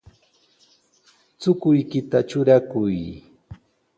Chukuykita trurakuy.